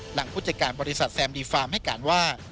ผู้จัดการบริษัทแซมดีฟาร์มให้การว่า